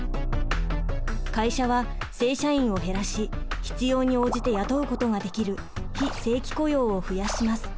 会社は正社員を減らし必要に応じて雇うことができる非正規雇用を増やします。